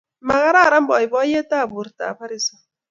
Magararan boiboiyetab bortab Harrison